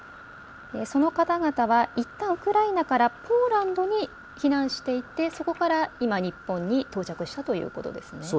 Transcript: そのかたがたはいったんウクライナからポーランドに避難していてそこから今、日本に到着したということですよね。